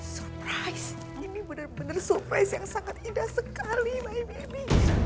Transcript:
surprise ini benar benar surprise yang sangat indah sekali bagi debbie